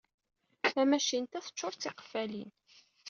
Tamacint-a teččur d tiqeffalin.